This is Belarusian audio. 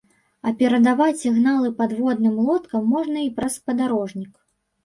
А перадаваць сігналы падводным лодкам можна і праз спадарожнік.